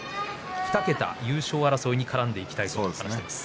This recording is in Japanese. ２桁、優勝争いに絡んでいきたいという話でした。